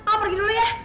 lo pergi dulu yah